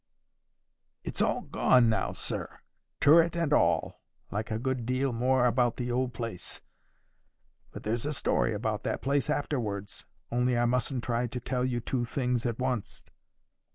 '—It's all gone now, sir, turret and all, like a good deal more about the old place; but there's a story about that turret afterwards, only I mustn't try to tell you two things at once.